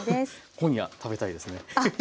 今夜食べたいですねフフフ。